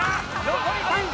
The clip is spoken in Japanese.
残り３秒。